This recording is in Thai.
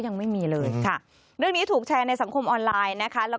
ยังไม่มีเลยค่ะเรื่องนี้ถูกแชร์ในสังคมออนไลน์นะคะ